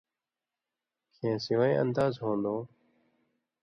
کھیں سِوَیں ان٘داز ہُون٘دوۡ